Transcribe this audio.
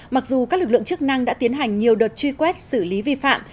mặc dù các lực lượng chức năng đã tiến hành nhiều đợt truy quét xử lý vi phạm